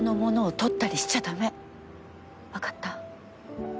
分かった？